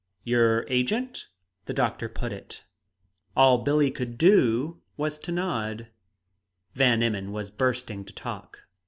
"Your agent?" the doctor put in. All Billie could do was to nod; Van Emmon was bursting to talk.